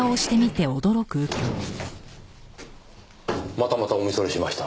またまたお見それしました。